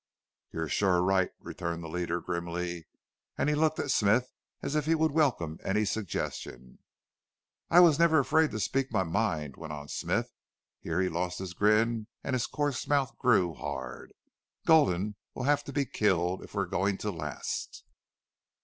"You're sure right," returned the leader, grimly, and he looked at Smith as if he would welcome any suggestion. "I never was afraid to speak my mind," went on Smith. Here he lost his grin and his coarse mouth grew hard. "Gulden will have to be killed if we're goin' to last!"